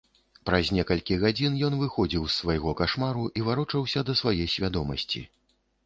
Праз некалькі гадзін ён выходзіў з свайго кашмару і варочаўся да свае свядомасці.